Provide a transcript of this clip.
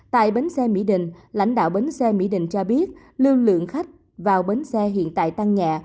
tại bến xe mỹ đình lãnh đạo bến xe mỹ đình cho biết lưu lượng khách vào bến xe hiện tại tăng nhẹ